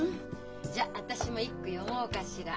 じゃあ私も一句詠もうかしら。